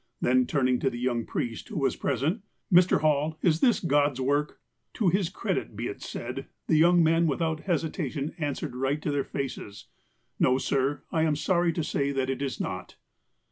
Then, turniug to the young priest, who was i)resent :" Mr. Hall, is this God's work ?" To his credit be it said, the young man without hesita tion answered right to their faces :'' JSTo, sir, I am sorry to say that it is not."